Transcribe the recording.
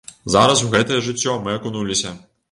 Зараз у гэтае жыццё мы акунуліся.